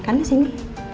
kan di sini